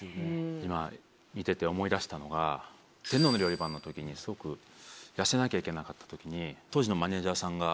今見てて思い出したのが『天皇の料理番』のときにスゴく痩せなきゃいけなかったときに当時の。